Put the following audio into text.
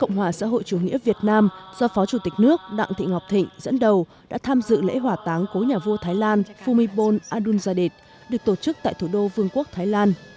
cộng hòa xã hội chủ nghĩa việt nam do phó chủ tịch nước đặng thị ngọc thịnh dẫn đầu đã tham dự lễ hỏa táng cố nhà vua thái lan fumibon adulzadeh được tổ chức tại thủ đô vương quốc thái lan